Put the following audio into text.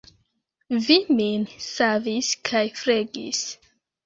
Vi min savis kaj flegis.